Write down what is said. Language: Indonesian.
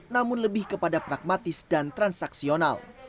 namun lebih kepada pragmatis dan transaksional